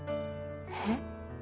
えっ？